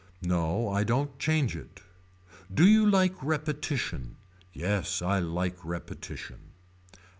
No I don't change it. Do you like repetition. Yes I like repetition.